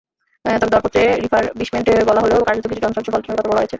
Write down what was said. তবে দরপত্রে রিফারবিশমেন্ট বলা হলেও কার্যত কিছু যন্ত্রাংশ পাল্টানোর কথা বলা হয়েছে।